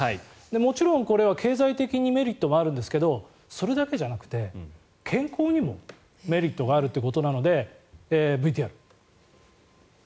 もちろん、これは経済的にメリットがあるんですがそれだけじゃなくて健康にもメリットがあるということなのでＶＴＲ。